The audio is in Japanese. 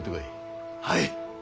はい！